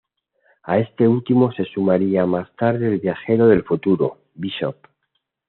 A este último se sumaria más tarde el viajero del futuro Bishop.